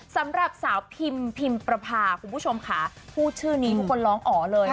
สำหรับสาวพิมพิมประพาคุณผู้ชมค่ะพูดชื่อนี้ทุกคนร้องอ๋อเลย